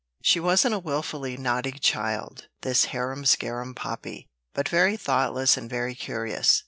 She wasn't a wilfully naughty child, this harum scarum Poppy, but very thoughtless and very curious.